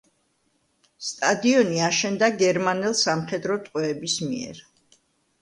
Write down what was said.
სტადიონი აშენდა გერმანელი სამხედრო ტყვეების მიერ.